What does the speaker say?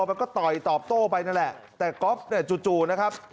มันก็ต่อยตอบโต้ไปนั่นแหละแต่ก๊อฟเนี่ยจู่นะครับ